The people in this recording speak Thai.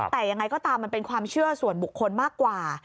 แต่ยังไงก็ตามมันเป็นความเชื่อส่วนบุคคลมากกว่า